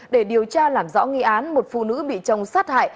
để điều tra làm rõ nghi án một phụ nữ bị chồng sát hại